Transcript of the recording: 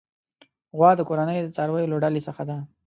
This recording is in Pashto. غوا د کورني څارويو له ډلې څخه ده.